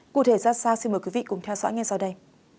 cụ thể ra sao xin mời quý vị cùng theo dõi ngay sau đây